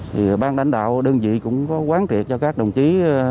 thì ban lãnh đạo đơn vị cũng có quán triệt cho các đồng chí